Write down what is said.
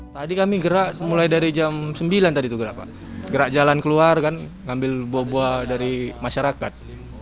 tadi kami gerak mulai dari jam sembilan tadi itu gerak pak gerak jalan keluar kan ngambil buah buah dari masyarakat